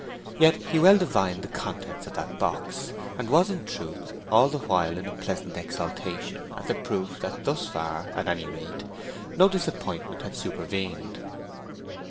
Yet he well divined the contents of that box, and was in truth all the while in a pleasant exaltation at the proof that thus far, at any rate, no disappointment had supervened.